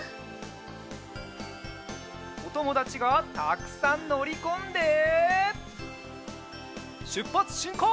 おともだちがたくさんのりこんでしゅっぱつしんこう！